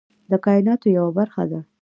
د کایناتو یوه برخه ده.